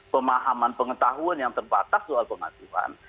pemahaman pengetahuan yang terbatas soal pengasuhan